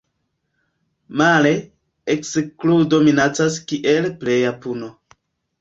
Male, ekskludo minacas kiel pleja puno.